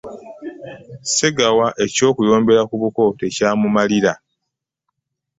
Ssegawa eky'okuyombera ku buko tekyamumalira?